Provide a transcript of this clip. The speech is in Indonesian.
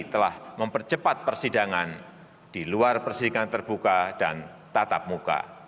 telah mempercepat persidangan di luar persidangan terbuka dan tatap muka